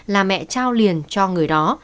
là mẹ trao liền cho người đó